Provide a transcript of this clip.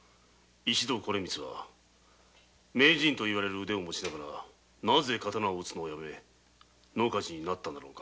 光は名人と言われる腕を持ちながらなぜ刀を打つのをやめ野鍜冶になったんだろう？